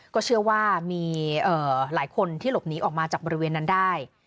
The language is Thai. ก็เชื่อว่ามีหลายคนที่หลบหนีออกมาจากบริเวณนั้นได้